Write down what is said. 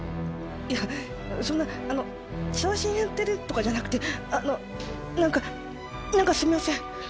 いやそんな調子に乗ってるとかじゃなくてあの何か何かすみません。